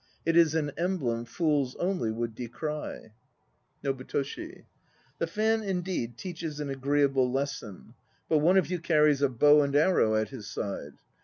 It is an emblem Fools only would decry! NOBUTOSffl. The fan indeed teaches an agreeable lesson; but one of you carries a bow and arrow at his side.